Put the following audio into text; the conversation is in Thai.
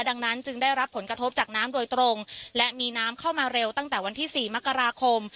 ดังนั้นจึงได้รับผลกระทบจากน้ำโดยตรงและมีน้ำเข้ามาเร็วตั้งแต่วันที่๔มกราคม